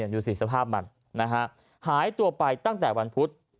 ดูสิสภาพมันนะฮะหายตัวไปตั้งแต่วันพุธ